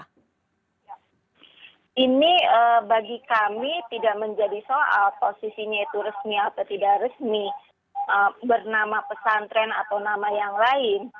karena ini bagi kami tidak menjadi soal posisinya itu resmi atau tidak resmi bernama pesantren atau nama yang lain